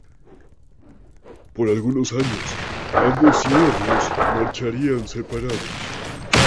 Por unos años, ambos hierros marcharían separados.